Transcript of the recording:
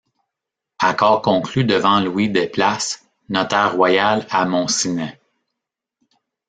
Accord conclu devant Louis Desplaces, notaire royal à Montcinet.